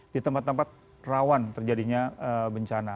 di tempat tempat rawan terjadinya bencana